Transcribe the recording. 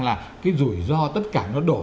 là cái rủi ro tất cả nó đổ